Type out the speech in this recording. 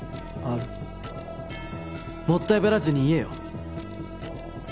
もったいぶらずに言えよ。